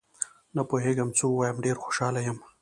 نه پوهېږم څه ووایم، ډېر خوشحال یم